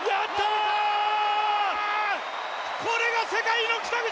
これが世界の北口！